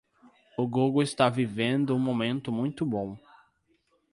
O Google está vivendo um momento muito bom.